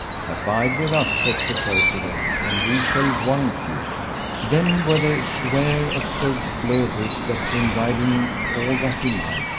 Abide with us, said Sir Percivale, and we shall warrant you. Then were they ware of Sir Bleoberis that came riding all that he might.